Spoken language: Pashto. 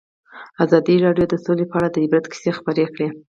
ازادي راډیو د سوله په اړه د عبرت کیسې خبر کړي.